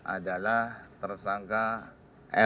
adalah tersangka ri